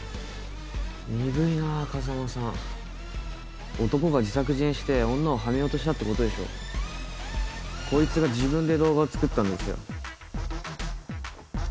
鈍いなぁ風真さん男が自作自演して女をハメようとしたってことでしょこいつが自分で動画を作ったんですよ